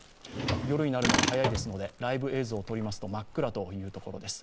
夜になるのが早いですので、ライブ映像をとりますと真っ暗というところです。